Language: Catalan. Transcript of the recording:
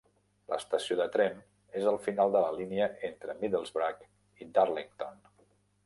L'estació de tren és al final de la línia entre Middlesbrough i Darlington.